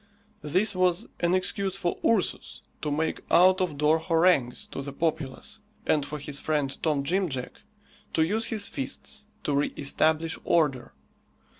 This was an excuse for Ursus to make out of door harangues to the populace, and for his friend Tom Jim Jack to use his fists to re establish order.